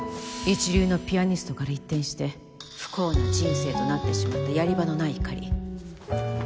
一流のピアニストから一転して不幸な人生となってしまったやり場のない怒り